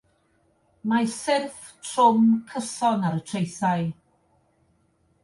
Mae syrff trwm, cyson ar y traethau.